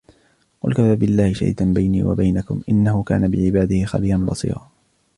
قُلْ كَفَى بِاللَّهِ شَهِيدًا بَيْنِي وَبَيْنَكُمْ إِنَّهُ كَانَ بِعِبَادِهِ خَبِيرًا بَصِيرًا